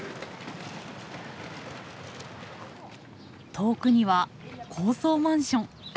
遠くには高層マンション。